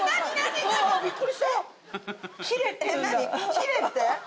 切れって？